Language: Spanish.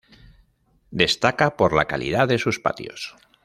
Destaca por la calidad de sus patios.